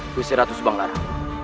kusir ratu subang lara